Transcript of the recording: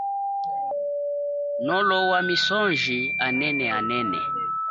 Nolowa misoji anene anene.